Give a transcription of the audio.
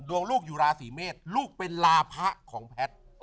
ลูกอยู่ราศีเมษลูกเป็นลาพะของแพทย์